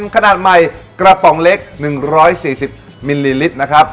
ขนาดใหม่กระป๋องเล็ก๑๔๐มิลลิลิตรนะครับ